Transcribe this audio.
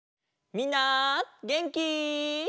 みんなげんき？